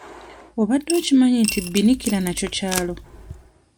Obadde okimanyi nti Bbinikira nakyo kyalo?